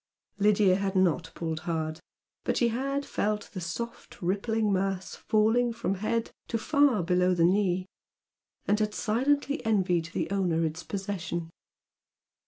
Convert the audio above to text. Lydia had not pulled hard, but she had felt the soft rippling mass falling from head to far below the knee, and had silently envied the owner its possession.